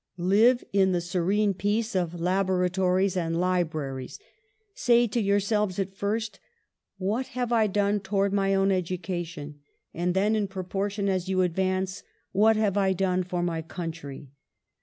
Live in the serene peace of laboratories and libra ries. Say to yourselves at first: What have I done towards my own education? And then, in propor tion as you advance: What have I done for my country?